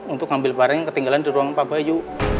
untuk ambil barang yang ketinggalan di ruangan pak bayu